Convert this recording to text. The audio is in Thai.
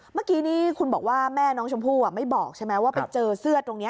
เมื่อกี้นี่คุณบอกว่าแม่น้องชมพู่ไม่บอกใช่ไหมว่าไปเจอเสื้อตรงนี้